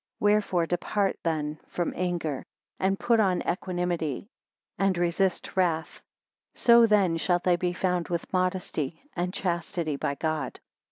17 Wherefore depart then from anger, and put on equanimity, and resist: wrath; so then shalt be found with modesty and chastity by God.